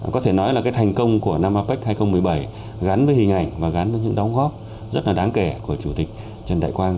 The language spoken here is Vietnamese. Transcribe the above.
có thể nói là cái thành công của năm apec hai nghìn một mươi bảy gắn với hình ảnh và gắn với những đóng góp rất là đáng kể của chủ tịch trần đại quang